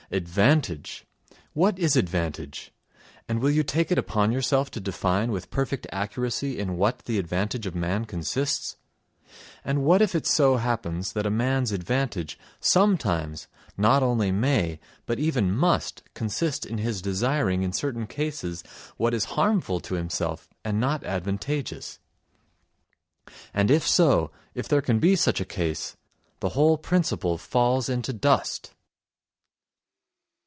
Advantage! What is advantage? And will you take it upon yourself to define with perfect accuracy in what the advantage of man consists? And what if it so happens that a man's advantage, sometimes, not only may, but even must, consist in his desiring in certain cases what is harmful to himself and not advantageous. And if so, if there can be such a case, the whole principle falls into dust.